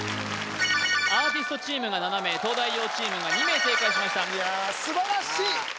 アーティストチームが７名東大王チームが２名正解しましたいやあ素晴らしい！